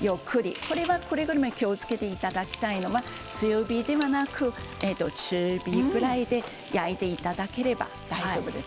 気をつけていただきたいのは強火ではなく中火くらいで焼いていただければ大丈夫です。